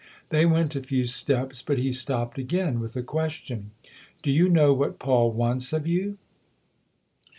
They went a few steps, but he stopped again with a question. "Do you know what Paul wants of you